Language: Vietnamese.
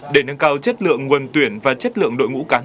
để nâng cao chất lượng nguồn tuyển và chất lượng đội ngũ cán